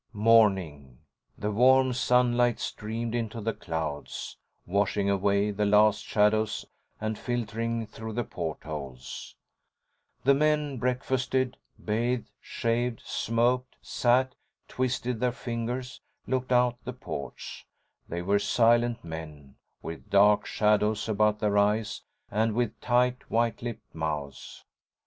———— Morning. The warm sunlight streamed into the clouds, washing away the last shadows and filtering through the portholes. The men breakfasted, bathed, shaved, smoked, sat, twisted their fingers, looked out the ports. They were silent men, with dark shadows about their eyes and with tight, white lipped mouths.